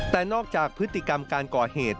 แต่นอกจากพฤติกรรมการก่อเหตุ